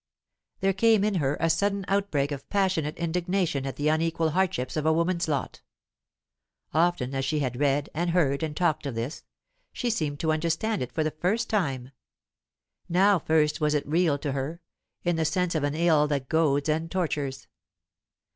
There came in her a sudden outbreak of passionate indignation at the unequal hardships of a woman's lot. Often as she had read and heard and talked of this, she seemed to understand it for the first time; now first was it real to her, in the sense of an ill that goads and tortures.